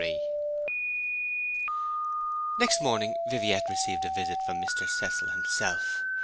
XXXIII Next morning Viviette received a visit from Mr. Cecil himself.